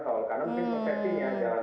tadi sangat diunjungkan